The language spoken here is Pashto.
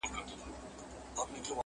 چي نه سمه نه کږه لښته پیدا سي!!!!!